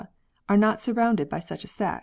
are not surrounded by such a sac."